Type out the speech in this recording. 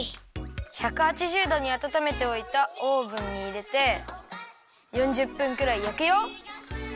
１８０どにあたためておいたオーブンにいれて４０分くらいやくよ。